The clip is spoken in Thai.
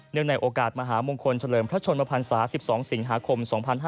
ในโอกาสมหามงคลเฉลิมพระชนมพันศา๑๒สิงหาคม๒๕๕๙